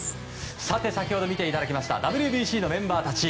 先ほど見ていただきましたＷＢＣのメンバーたち。